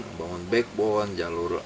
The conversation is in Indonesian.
ngebangun backbone jalur